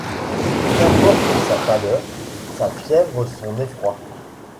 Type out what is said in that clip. Qu'importe sa pâleur, sa fièvre, son effroi ?